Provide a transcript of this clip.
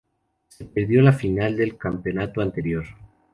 Se repitió la final del campeonato anterior.